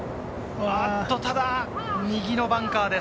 ただ右のバンカーです。